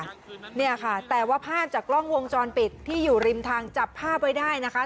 เนี่ยค่ะแต่ว่าภาพจากกล้องวงจรปิดที่อยู่ริมทางจับภาพไว้ได้นะคะ